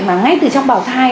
mà ngay từ trong bào thai